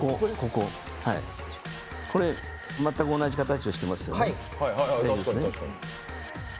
これ、全く同じ形をしてますよね、大丈夫ですね。